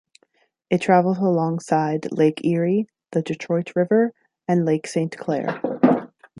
It travels alongside Lake Erie, the Detroit River, and Lake Saint Clair.